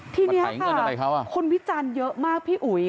ทีนี้คนวิจารณ์เยอะมากพี่อุ๋ย